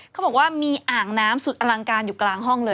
เขาบอกว่ามีอ่างน้ำสุดอลังการอยู่กลางห้องเลย